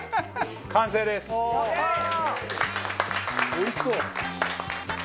おいしそう！